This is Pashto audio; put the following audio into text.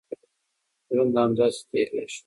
ژوند همداسې تېرېږي.